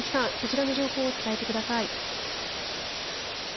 そちらの情報を伝えてください。